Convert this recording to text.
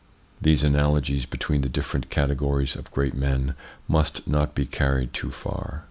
These analogies between the different categories of great men must not be carried too far.